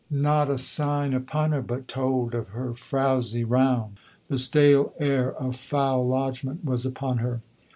Not a sign upon her but told of her frowsy round. The stale air of foul lodgment was upon her.